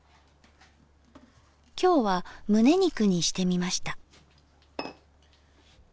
今日はムネ肉にしてみました。